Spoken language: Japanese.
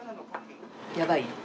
やばい？